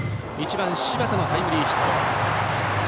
１番、柴田のタイムリーヒット。